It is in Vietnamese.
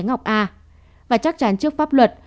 ngọc a và chắc chắn trước pháp luật